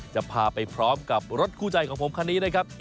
จะพาไปพร้อมกับรถคู่ใจของผมคันนี้นะครับ